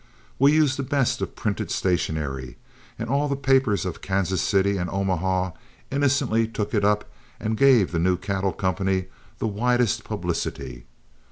We used the best of printed stationery, and all the papers of Kansas City and Omaha innocently took it up and gave the new cattle company the widest publicity.